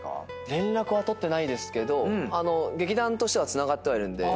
連絡は取ってないですけど劇団としてはつながってはいるんで。